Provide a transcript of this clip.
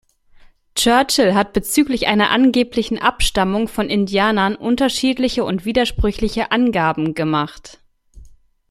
Churchill hat bezüglich einer angeblichen Abstammung von Indianern unterschiedliche und widersprüchliche Angaben gemacht.